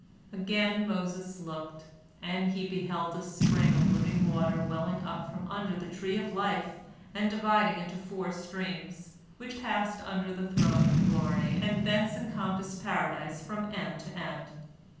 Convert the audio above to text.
Again Moses looked, and he beheld a spring of living water welling up from under the tree of life and dividing into four streams, which passed under the throne of glory, and thence encompassed Paradise from end to end.